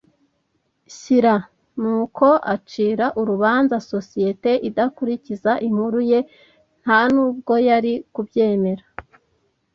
shyira, nuko acira urubanza sosiyete idakurikiza inkuru ye. Nta nubwo yari kubyemera